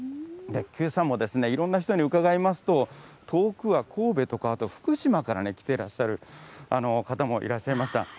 けさもいろんな人に伺いますと、遠くは神戸とか、あと、福島から来ていらっしゃる方もいらっしゃいました。